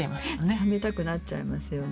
食べたくなっちゃいますよね。